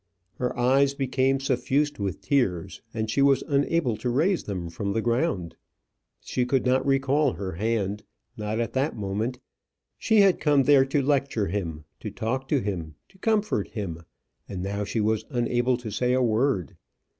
Her eyes became suffused with tears, and she was unable to raise them from the ground. She could not recall her hand not at that moment. She had come there to lecture him, to talk to him, to comfort him; and now she was unable to say a word.